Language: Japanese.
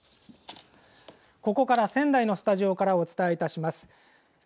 ここから仙台のスタジオからお伝えいたします。